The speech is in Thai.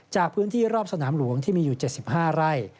จากพื้นที่รอบสนามหลวงที่มีอยู่๗๕ไร่